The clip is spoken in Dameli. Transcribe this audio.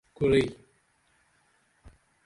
کُورئی؟